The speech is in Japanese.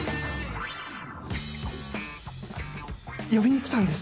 呼びにきたんです。